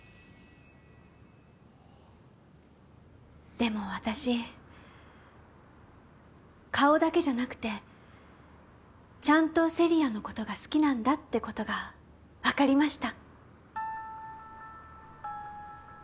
でも私顔だけじゃなくてちゃんと聖里矢のことが好きなんだってことが分かりました。